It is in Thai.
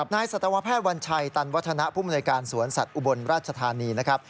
สัตวแพทย์วัญชัยตันวัฒนะผู้มนวยการสวนสัตว์อุบลราชธานีนะครับ